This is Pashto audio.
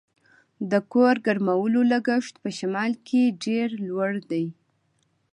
د کور ګرمولو لګښت په شمال کې ډیر لوړ دی